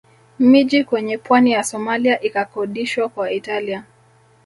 Miji kwenye pwani ya Somalia ikakodishwa kwa Italia